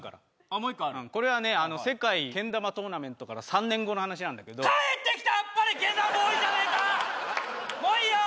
もう１個ある世界けん玉トーナメントから３年後の話なんだけど「帰ってきたあっぱれけん玉ボーイ」じゃねえかもういいよ！